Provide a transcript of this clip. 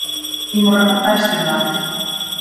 Imos rematar este debate.